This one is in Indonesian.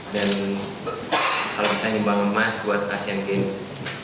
dan kalau bisa ini emas buat asian games